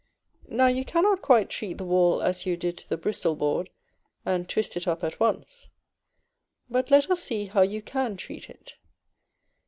Now you cannot quite treat the wall as you did the Bristol board, and twist it up at once; but let us see how you can treat it.